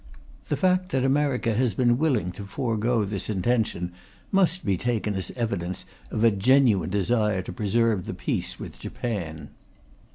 The fact that America has been willing to forgo this intention must be taken as evidence of a genuine desire to preserve the peace with Japan.